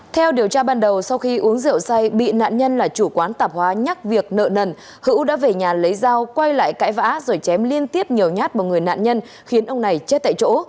theo điều tra ban đầu sau khi uống rượu say bị nạn nhân là chủ quán tạp hóa nhắc việc nợ nần hữu đã về nhà lấy dao quay lại cãi vã rồi chém liên tiếp nhiều nhát vào người nạn nhân khiến ông này chết tại chỗ